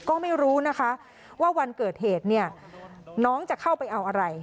ก็ไม่รู้นะคะว่าวันเกิดเหตุเนี่ยน้องจะเข้าไปเอาอะไร